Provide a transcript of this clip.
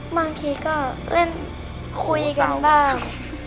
บางทีก็เล่นคุยกันบ้าง